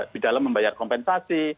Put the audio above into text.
di dalam membayar kompensasi